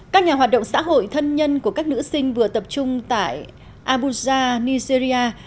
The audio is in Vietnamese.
các nhà hoạt động xã hội thân nhân của các nữ sinh vừa tập trung tại abuja nigeria